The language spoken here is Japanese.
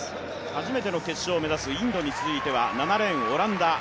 初めての決勝を目指すインドに続いては７レーン、オランダ。